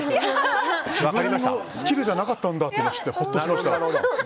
自分のスキルじゃなかったんだと思って、ホッとしました。